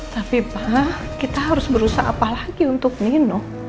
tapi pak kita harus berusaha apa lagi untuk minum